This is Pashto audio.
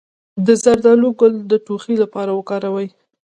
د زردالو ګل د ټوخي لپاره وکاروئ